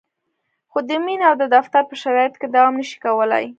خو د مینې او د دفتر په شرایطو کې دوام نشي کولای.